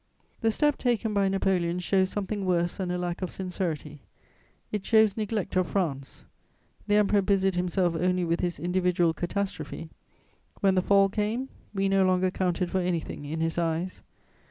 The step taken by Napoleon shows something worse than a lack of sincerity; it shows neglect of France: the Emperor busied himself only with his individual catastrophe; when the fall came, we no longer counted for anything in his eyes.